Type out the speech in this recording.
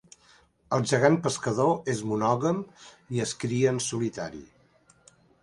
El gegant pescador és monògam i és cria en solitari.